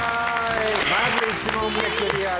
まず１問目クリアです。